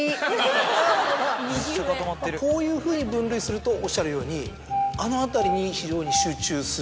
こういうふうに分類するとおっしゃるようにあの辺りに非常に集中する。